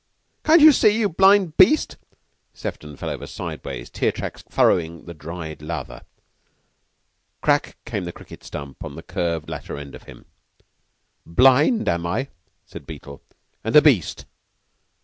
"Can't you see, you blind beast?" Sefton fell over sideways, tear tracks furrowing the dried lather. Crack came the cricket stump on the curved latter end of him. "Blind, am I," said Beetle, "and a beast?